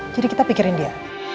jadi kita pikirin dia